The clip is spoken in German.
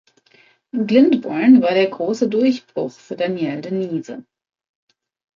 Glyndebourne war der große Durchbruch für Danielle de Niese.